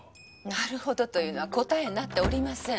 「なるほど」というのは答えになっておりません。